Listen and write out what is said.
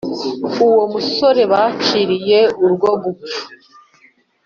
w'uwo musore baciriye urwo gupfa,